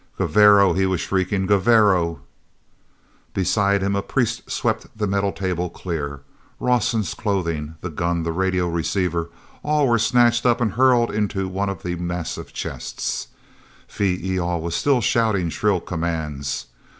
"Gevarro!" he was shrieking. "Gevarro!" Beside him a priest swept the metal table clear. Rawson's clothing, the gun, the radio receiver, all were snatched up and hurled into one of the massive chests. Phee e al was still shouting shrill commands.